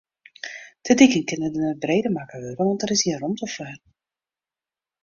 De diken kinne net breder makke wurde, want dêr is gjin romte foar.